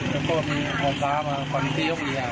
แล้วก็มีฟันปลามาฟันที่มันมียาว